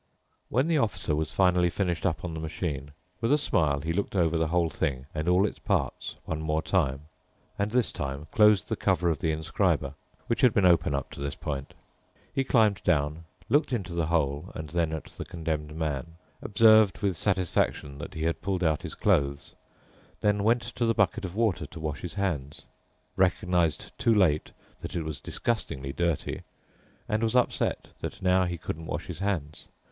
When the Officer was finally finished up on the machine, with a smile he looked over the whole thing and all its parts one more time, and this time closed the cover of the inscriber, which had been open up to this point. He climbed down, looked into the hole and then at the Condemned Man, observed with satisfaction that he had pulled out his clothes, then went to the bucket of water to wash his hands, recognized too late that it was disgustingly dirty, and was upset that now he couldn't wash his hands.